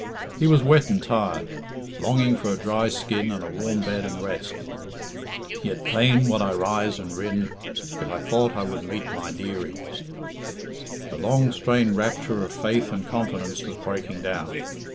He was wet and tired, longing for a dry skin and a warm bed and rest. "Yet fain wad I rise and rin If I tho't I would meet my dearie." The long strained rapture of faith and confidence was breaking down.